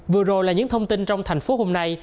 vừa rồi là những thông tin trong thành phố hôm nay